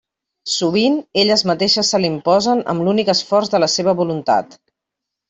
Sovint elles mateixes se l'imposen amb l'únic esforç de la seva voluntat.